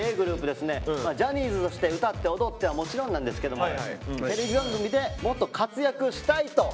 ｇｒｏｕｐですねジャニーズとして歌って踊ってはもちろんなんですけどもテレビ番組でもっと活躍したいと。